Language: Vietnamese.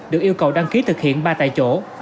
được yêu cầu đăng ký thực hiện ba tại chỗ